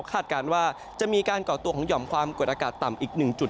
การว่าจะมีการก่อตัวของห่อมความกดอากาศต่ำอีก๑จุด